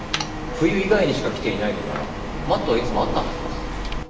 冬以外にしか来ていないのならマットはいつもあったはずです。